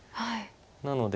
なので。